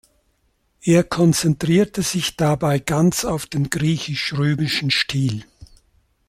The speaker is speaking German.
Er konzentrierte sich dabei ganz auf den griechisch-römischen Stil.